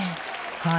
はい。